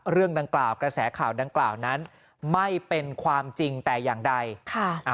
เรื่องดังกล่าวกระแสข่าวดังกล่าวนั้นไม่เป็นความจริงแต่อย่างใดค่ะ